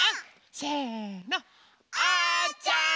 せのおうちゃん！